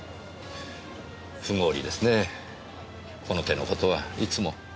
不合理ですねこの手の事はいつも。